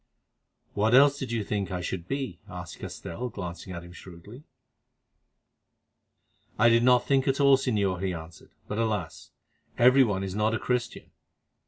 "What else did you think that I should be?" asked Castell, glancing at him shrewdly. "I did not think at all, Señor," he answered; "but alas! every one is not a Christian.